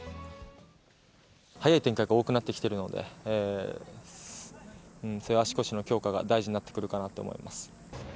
早い展開が多くなってきているので、足腰の強化が大事になってくるかなと思います。